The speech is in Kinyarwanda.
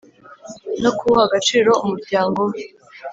no kuwuha agaciro umuryango we